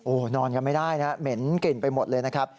นอนกันไม่ได้นะเหม็นกลิ่นไปหมดเลยนะครับ